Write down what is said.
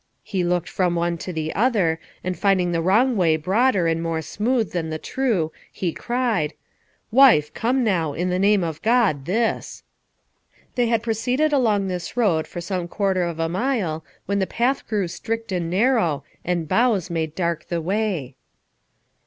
He looked from one to the other, and finding the wrong way broader and more smooth than the true, he cried, "Wife, come now; in the name of God, this." They had proceeded along this road for some quarter of a mile when the path grew strict and narrow, and boughs made dark the way.